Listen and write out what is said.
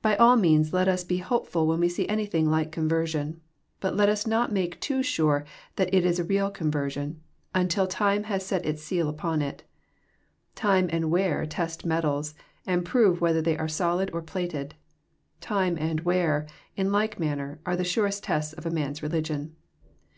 By all means let us be hopeful when we see anything like conversion. But let us not make too sure that it is real conversion, until time has set its seal upon it. Time and wear t^st metals, and prove whether they are solid or plated. Time and wear, in like manner, are the surest tests of a man's religion.